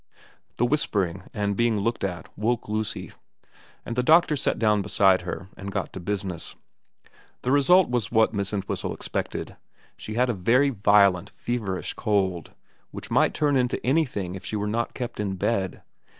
' The whispering and being looked at woke Lucy, and the doctor sat down beside her and got to business. The result was what Miss Entwhistle expected : she had a very violent feverish cold, which might turn into anything if she were not kept in bed.